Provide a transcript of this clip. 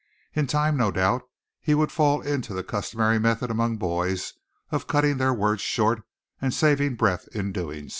In time, no doubt, he would fall into the customary method among boys of cutting their words short, and saving breath in so doing.